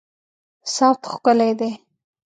صوت ښکلی دی